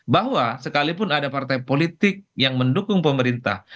bahwa sekalipun ada partai politik yang mendukung pemerintah